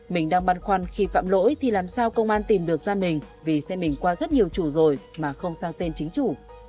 mình đang băn khoăn khi phạm lỗi thì làm sao công an tìm được ra mình vì xe mình qua rất nhiều chủ rồi mà không sang tên chính chủ